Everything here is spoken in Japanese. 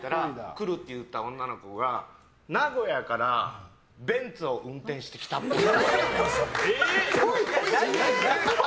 来るって言った女の子が名古屋からベンツを運転してきたっぽい。